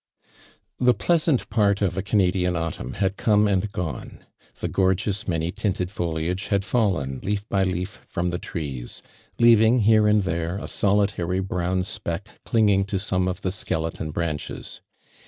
The ploaHunt part of a Canadian autumn had como anil gone— the gorgeous, many tinted foliage had fallen loaf by leaf from the trees, leaving, here and there, a KoliUiry hrown speck clinging to «ome of the Hkcle ton brandies.